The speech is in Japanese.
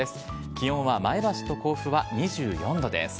気温は前橋と甲府は２４度です。